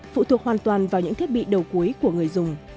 phụ thuộc hoàn toàn vào những thiết bị đầu cuối của người dùng